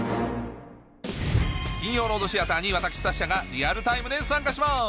金曜ロードシアターに私サッシャがリアルタイムで参加します！